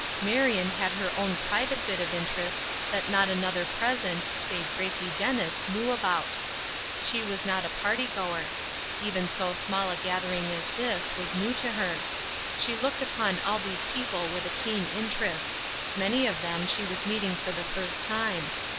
Marion had her own private bit of interest that not another present, save Gracie Dennis knew about. She was not a party goer. Even so small a gathering as this, was new to her. She looked upon all these people with a keen interest; many of them she was meeting for the first time.